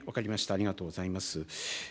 ありがとうございます。